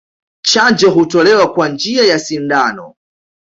Chanjo hutolewa kwa njia ya sindano